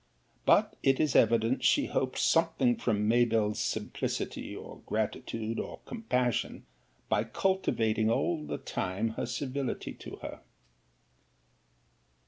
But it is evident she hoped something from Mabell's simplicity, or gratitude, or compassion, by cultivating all the time her civility to her.